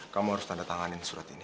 kamu harus tanda tanganin surat ini